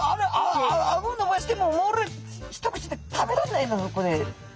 ああごのばしても一口で食べられないんだぞこれ」。